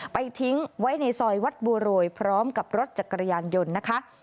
ทิ้งไว้ในซอยวัดบัวโรยพร้อมกับรถจักรยานยนต์นะคะ